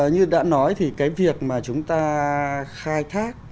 như đã nói thì cái việc mà chúng ta khai thác